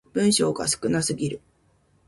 文章が少なすぎる